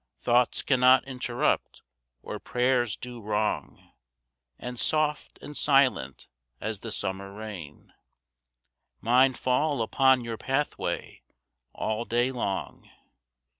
Thoughts cannot interrupt or prayers do wrong, And soft and silent as the summer rain Mine fall upon your pathway all day long.